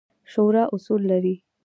شورا اصول لري